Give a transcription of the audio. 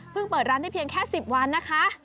เปิดร้านได้เพียงแค่๑๐วันนะคะ